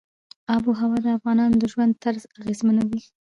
آب وهوا د افغانانو د ژوند طرز اغېزمنوي.